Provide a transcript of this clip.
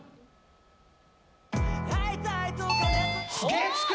月９！